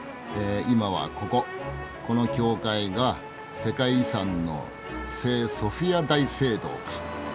この教会が世界遺産の聖ソフィア大聖堂か。